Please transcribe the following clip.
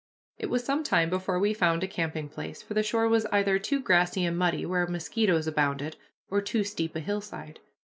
It was some time before we found a camping place, for the shore was either too grassy and muddy, where mosquitoes abounded, or too steep a hillside.